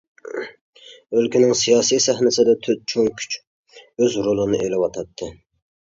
ئۆلكىنىڭ سىياسىي سەھنىسىدە تۆت چوڭ كۈچ ئۆز رولىنى ئېلىۋاتاتتى.